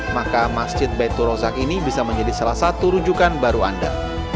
maka masjid baitur rozak ini bisa menjadi salah satu rujukan baru anda